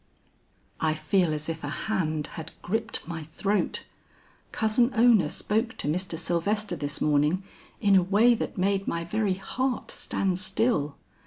"I feel as if a hand had gripped my throat. Cousin Ona spoke to Mr. Sylvester this morning in a way that made my very heart stand still.